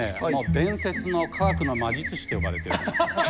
伝説の科学の魔術師と呼ばれているんですよ。